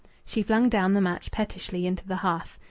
She flung down the match pettishly into the hearth.